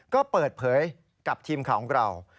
ก็เปิดเผยกับทีมข่าวของเรา